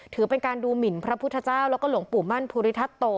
ถือเป็นการดูหมินพระพุทธเจ้าแล้วก็หลวงปู่มั่นภูริทัศโต